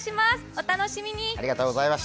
お楽しみに。